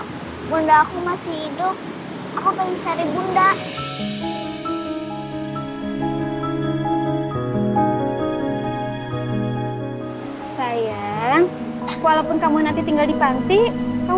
hai bunda aku masih hidup kok mencari bunda sayang walaupun kamu nanti tinggal di panti kamu